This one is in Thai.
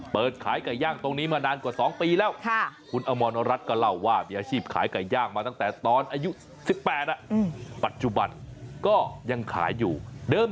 เปิดขายไก่ย่างตรงนี้มานานกว่า๒ปีแล้ว